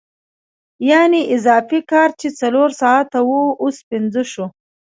یانې اضافي کار چې څلور ساعته وو اوس پنځه شو